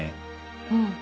うん。